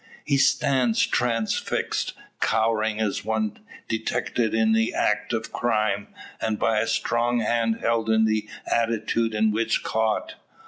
He stands transfixed; cowering as one detected in an act of crime, and by a strong hand held in the attitude in which caught!